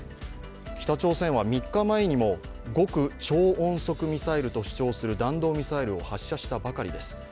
北朝鮮は３日前にも極超音速ミサイルと主張する弾道ミサイルを発射したばかりです。